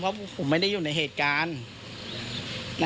เพราะผมไม่ได้อยู่ในเหตุการณ์